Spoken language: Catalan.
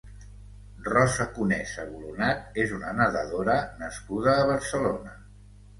Rosa Conesa Boronat és una nedadora nascuda a Barcelona.